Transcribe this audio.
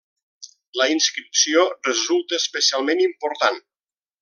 La inscripció resulta especialment important.